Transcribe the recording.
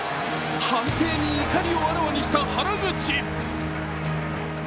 判定に怒りをあらわにした原口。